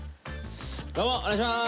どうもお願いします！